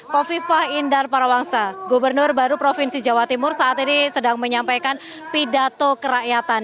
kofifah indar parawangsa gubernur baru provinsi jawa timur saat ini sedang menyampaikan pidato kerakyatan